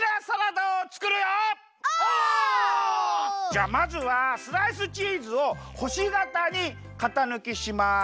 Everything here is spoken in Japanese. じゃあまずはスライスチーズをほしがたにかたぬきします。